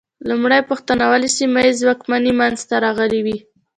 لومړۍ پوښتنه: ولې سیمه ییزې واکمنۍ منځ ته راغلې وې؟